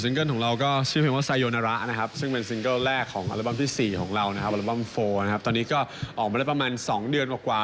มันก็ครบอยู่กับช่วงเวลาที่มันพอดีนะครับ